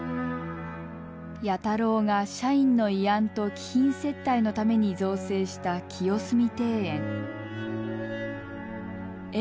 弥太郎が社員の慰安と貴賓接待のために造成した清澄庭園。